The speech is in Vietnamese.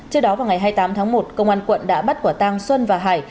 trước đó vào ngày hai mươi tám tháng một công an quận đã bắt quả tăng xuân và hải